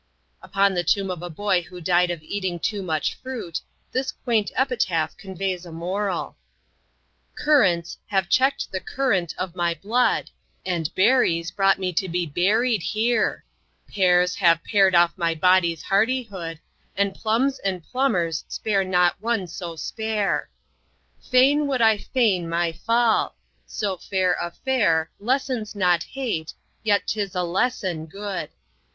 Upon the tomb of a boy who died of eating too much fruit, this quaint epitaph conveys a moral: "Currants have check'd the current of my blood, And berries brought me to be buried here; Pears have par'd off my body's hardihood, And plums and plumbers spare not one so spare. Fain would I feign my fall; so fair a fare Lessens not hate, yet 'tis a lesson good.